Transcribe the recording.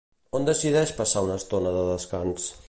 On decideix passar una estona de descans?